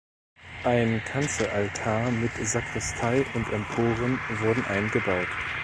Ein Kanzelaltar mit Sakristei und Emporen wurden eingebaut.